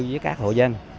với các hộ dân